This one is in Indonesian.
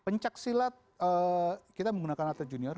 pencak silat kita menggunakan atlet junior